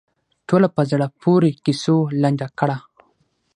ټوله په زړه پورې کیسو لنډه کړه.